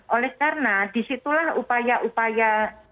oleh karena disitulah upaya upaya